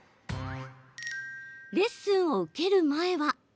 レッスンを受ける前は。